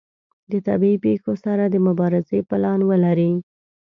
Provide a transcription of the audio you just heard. د طبیعي پیښو سره د مبارزې پلان ولري.